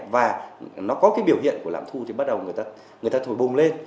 và nó có cái biểu hiện của lạm thu thì bắt đầu người ta thổi bùng lên